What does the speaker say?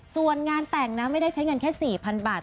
ส่วนงานแต่งนะไม่ได้ใช้เงินแค่๔๐๐๐บาท